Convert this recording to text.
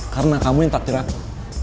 karena kamu yang tak tiraku